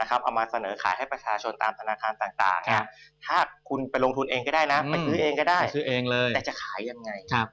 เอามาเสนอขายให้ประชาชนตามธนาคารต่างถ้าคุณไปลงทุนเองก็ได้นะไปซื้อเองก็ได้ซื้อเองเลยแต่จะขายยังไง